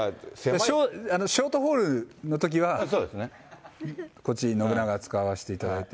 ショートホールのときは、こっち、信長使わせていただいて。